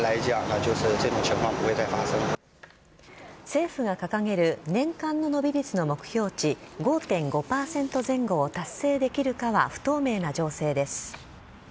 政府が掲げる年間の伸び率の目標値５．５％前後を達成できるかは不透明な情勢です。